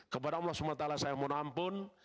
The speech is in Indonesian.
kepada allah swt saya mohon ampun